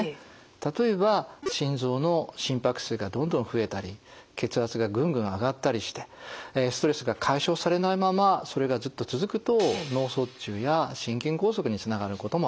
例えば心臓の心拍数がどんどん増えたり血圧がぐんぐん上がったりしてストレスが解消されないままそれがずっと続くと脳卒中や心筋梗塞につながることもあります。